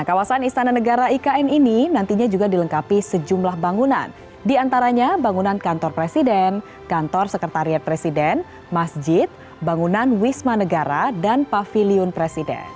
kawasan istana negara ikn ini nantinya juga dilengkapi sejumlah bangunan diantaranya bangunan kantor presiden kantor sekretariat presiden masjid bangunan wisma negara dan pavilion presiden